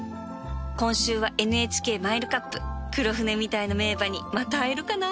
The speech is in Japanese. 今週は ＮＨＫ マイルカップクロフネみたいな名馬にまた会えるかな